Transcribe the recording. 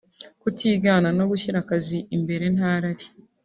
kutigana no gushyira akazi imbere nta rari